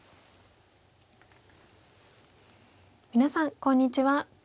皆さんこんにちは。